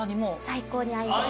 最高に合います。